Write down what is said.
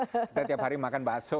kita tiap hari makan bakso